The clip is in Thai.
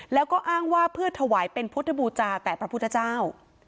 แล้วก็อ้างว่าเพื่อถวายเป็นพุทธบูจาแต่พระพุทธเจ้า